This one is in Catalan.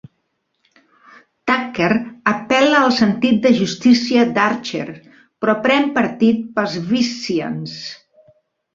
Tucker apel·la al sentit de justícia d'Archer, però pren partit pels Vissians.